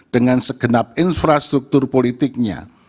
dengan segenap infrastruktur politiknya